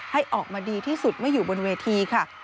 ให้ออกมาดีที่สุดไม่อยู่บนเวทีค่ะ